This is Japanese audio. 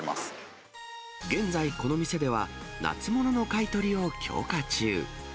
現在この店では、夏物の買い取りを強化中。